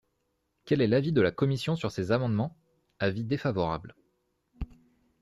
Quel est l’avis de la commission sur ces amendements ? Avis défavorable.